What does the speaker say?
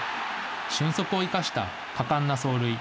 俊足を生かした果敢な走塁。